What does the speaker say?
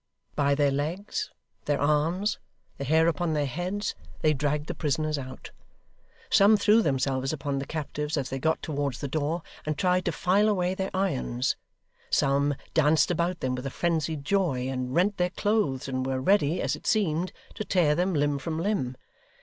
By their legs, their arms, the hair upon their heads, they dragged the prisoners out. Some threw themselves upon the captives as they got towards the door, and tried to file away their irons; some danced about them with a frenzied joy, and rent their clothes, and were ready, as it seemed, to tear them limb from limb.